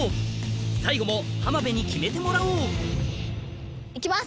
最後も浜辺に決めてもらおう行きます。